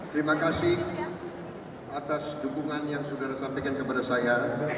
terima kasih atas dukungan yang sudah disampaikan kepada saya